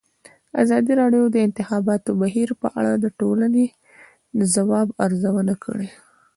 ازادي راډیو د د انتخاباتو بهیر په اړه د ټولنې د ځواب ارزونه کړې.